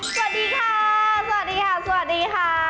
สวัสดีค่ะ